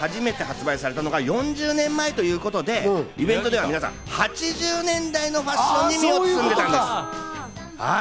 こちら雑誌『ｗｉｔｈ』が初めて発売されたのが４０年前ということで、イベントでは皆さん、８０年代のファッションに身を包んで登場しました。